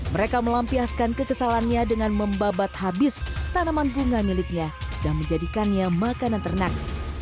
mereka melampiaskan kekesalannya dengan membabat habis tanaman bunga miliknya dan menjadikannya makanan ternak